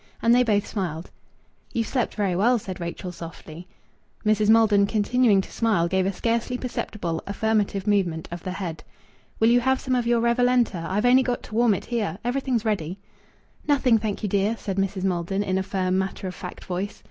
And they both smiled. "You've slept very well," said Rachel softly. Mrs. Maldon, continuing to smile, gave a scarcely perceptible affirmative movement of the head. "Will you have some of your Revalenta? I've only got to warm it, here. Everything's ready." "Nothing, thank you, dear," said Mrs. Maldon, in a firm, matter of fact voice.